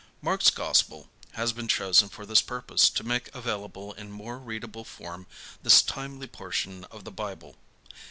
Mark's Gospel has been chosen for this purpose to make available in more readable form this timely portion of the Bible.